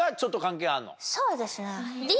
そうですね。